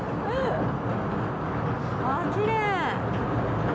あっきれい！